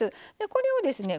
これをですね